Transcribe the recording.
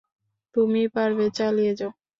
তুমি পারবে, চালিয়ে যাও।